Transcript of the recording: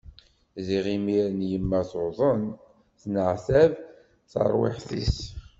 Ziɣ imiren yemma tuḍen, tenneɛtab terwiḥt-is.